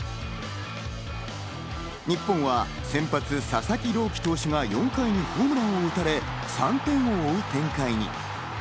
日本は先発・佐々木朗希投手が４回にホームランを打たれ、３点を追う展開に。